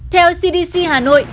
theo cdc hà nội